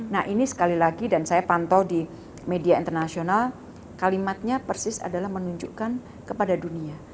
nah ini sekali lagi dan saya pantau di media internasional kalimatnya persis adalah menunjukkan kepada dunia